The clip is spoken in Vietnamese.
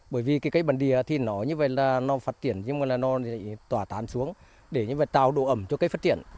bởi vì cây bản địa thì nó phát triển nhưng mà nó tỏa tán xuống để tạo độ ẩm cho cây phát triển